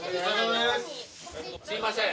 すいません。